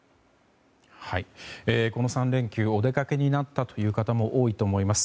この３連休お出かけになったという方も多いと思います。